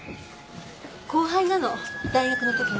後輩なの大学の時の。